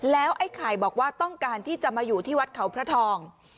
แล้วไอ้ไข่บอกว่าต้องการที่จะมาอยู่ที่วัดเขาพระทอง